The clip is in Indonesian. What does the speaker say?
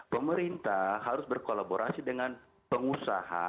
pemerintah harus berkolaborasi dengan pengusaha